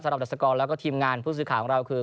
สำหรับดัสกรแล้วก็ทีมงานผู้ซื้อขาของเราคือ